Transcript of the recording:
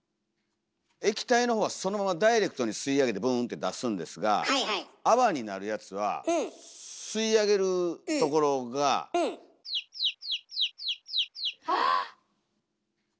液体の方はそのままダイレクトに吸い上げてブーンって出すんですが泡になるやつは吸い上げるところがあっ！